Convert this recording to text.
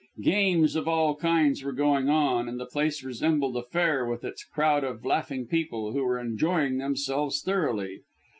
Games of all kinds were going on, and the place resembled a fair with its crowd of laughing people, who were enjoying themselves thoroughly.